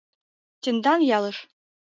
— Тендан ялыш...